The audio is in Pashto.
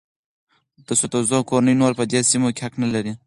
د سدوزو کورنۍ نور په دې سیمو حق نه لري.